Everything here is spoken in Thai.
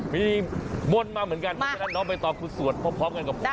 มีมนต์มาเหมือนกันน้องไปตอบคุณสวดพร้อมกันกับผม